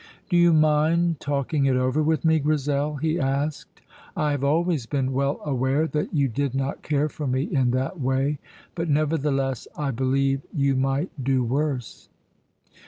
"Do you mind talking it over with me, Grizel?" he asked. "I have always been well aware that you did not care for me in that way, but nevertheless I believe you might do worse."